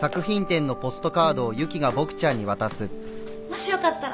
もしよかったら。